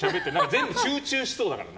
全部集中しそうだから。